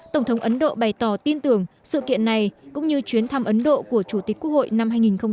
tổng thống ấn độ bày tỏ tin tưởng sự kiện này cũng như chuyến thăm ấn độ của chủ tịch quốc hội năm hai nghìn một mươi chín